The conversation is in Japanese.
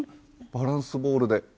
バランスボールで。